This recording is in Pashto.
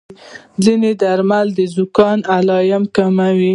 ځینې درمل د زکام علامې کموي.